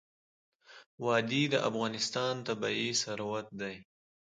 وادي د افغانستان طبعي ثروت دی.